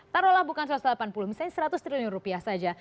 taruhlah bukan satu ratus delapan puluh misalnya seratus triliun rupiah saja